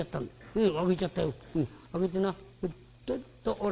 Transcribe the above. うん。